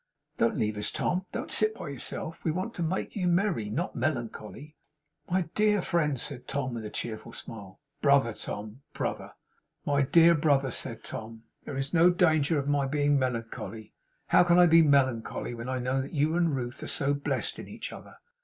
'Don't leave us, Tom. Don't sit by yourself. We want to make you merry; not melancholy.' 'My dear friend,' said Tom, with a cheerful smile. 'Brother, Tom. Brother.' 'My dear brother,' said Tom; 'there is no danger of my being melancholy, how can I be melancholy, when I know that you and Ruth are so blest in each other!